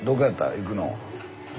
行くの。